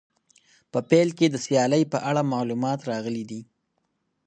په پیل کې د سیالۍ په اړه معلومات راغلي دي.